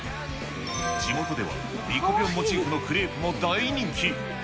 地元では、ミコぴょんモチーフのクレープも大人気。